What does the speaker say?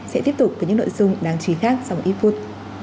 sẽ tiếp tục với những nội dung đáng chí khác dòng efood